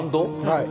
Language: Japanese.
はい。